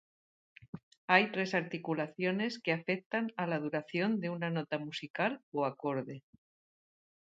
Hay tres articulaciones que afectan a la duración de una nota musical o acorde.